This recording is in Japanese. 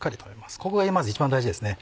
ここがまず一番大事ですね。